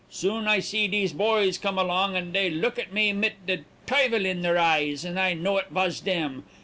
Soon I see dese boys come along, and dey look at me mit de tuyvel in deir eyes, and I know it vas dem.